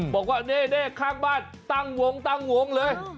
บอกว่านี่ข้างบ้านตั้งวงเลย